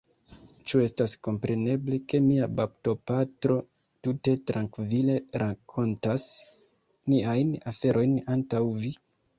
Ĉu estas kompreneble, ke mia baptopatro tute trankvile rakontas niajn aferojn antaŭ vi?